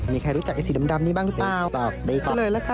มีใครรู้จักไอ้สีดำนี่บ้างหรือเปล่า